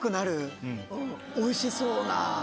おいしそうな。